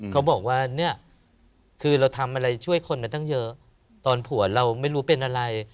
เขาบอกว่าเนี่ยคือเราทำอะไรช่วยคนมาตั้งเยอะตอนผัวเราไม่รู้เป็นอะไร